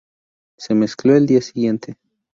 Se mezcló el día siguiente.